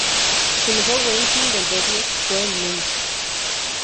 Su mejor ranking de dobles fue el Núm.